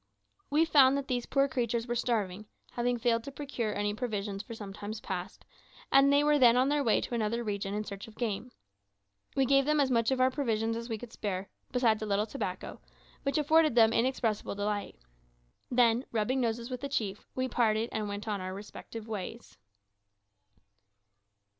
We found that these poor creatures were starving, having failed to procure any provisions for some time past, and they were then on their way to another region in search of game. We gave them as much of our provisions as we could spare, besides a little tobacco, which afforded them inexpressible delight. Then rubbing noses with the chief, we parted and went on our respective ways.